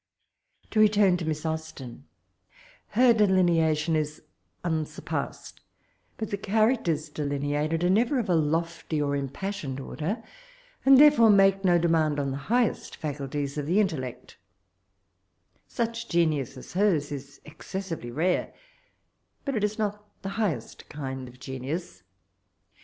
To return to Miss Austen : her de lineation is unsurpassed, but the diaraotera delineated are never of a lofty or impassioned order, and therefore make no demand on the highest faculties of the intellect 8nch genius ss hers is excessively rare ; but it is not the highest kind of genius.